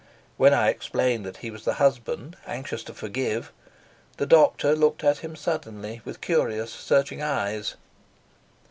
When I explained that he was the husband, anxious to forgive, the doctor looked at him suddenly, with curious, searching eyes.